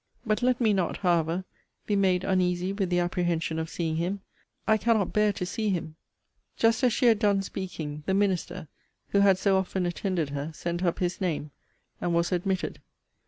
But let me not, however, be made uneasy with the apprehension of seeing him. I cannot bear to see him! Just as she had done speaking, the minister, who had so often attended her, sent up his name; and was admitted.